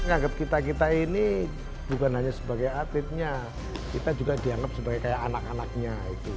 menganggap kita kita ini bukan hanya sebagai atletnya kita juga dianggap sebagai kayak anak anaknya